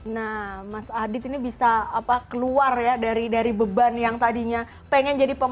nah mas adit ini bisa keluar ya dari beban yang tadinya pengen jadi pemain